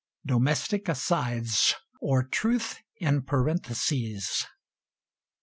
DOMESTIC ASIDES; OR, TRUTH IN PARENTHESES.